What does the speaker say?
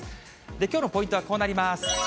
きょうのポイントはこうなります。